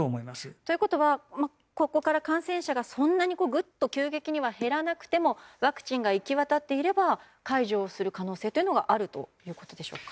ということは、ここから感染者がそんなに急激には減らなくてもワクチンが行き渡っていれば解除する可能性というのはあるということでしょうか。